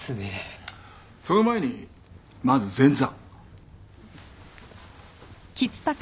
その前にまず前座。